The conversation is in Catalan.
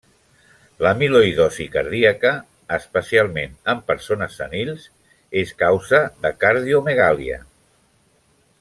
L'amiloïdosi cardíaca, especialment en persones senils, és causa de cardiomegàlia.